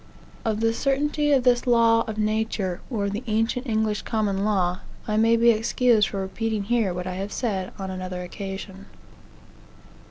Of the certainty of this law of nature, or the ancient English common law, I may be excused for repeating here what, I have said on another occasion.